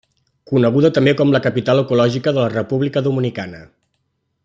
Coneguda també com la capital ecològica de la República Dominicana.